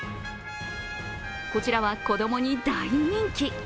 こちらは子供に大人気。